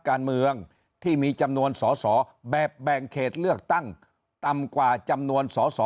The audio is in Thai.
การเมืองที่มีจำนวนสอสอแบบแบ่งเขตเลือกตั้งต่ำกว่าจำนวนสอสอ